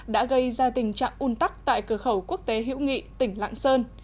đã gây ra tình trạng un tắc tại cửa khẩu quốc tế hữu nghị tỉnh lạng sơn